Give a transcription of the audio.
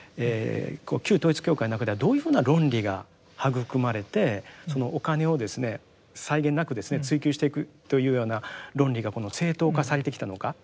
旧統一教会の中ではどういうふうな論理が育まれてそのお金を際限なく追求していくというような論理が正当化されてきたのか。